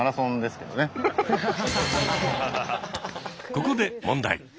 ここで問題。